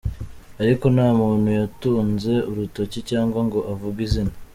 Ariko nta muntu yatunze urukoti cyangwa ngo avuge izina.